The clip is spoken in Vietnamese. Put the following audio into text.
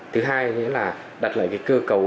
thứ hai là đặt lại cơ cấu